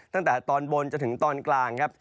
ตั้งแต่ตอนบนจนถึงตอนกลางครับ